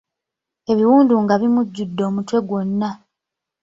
Ebiwundu nga bimujjuddde omutwe gwonna!